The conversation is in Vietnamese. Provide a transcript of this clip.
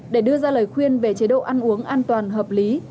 để đưa ra lời khuyên về chế độ ăn uống an toàn hợp lý